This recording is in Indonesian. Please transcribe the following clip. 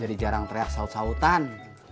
jadi jarang teriak sautan sautan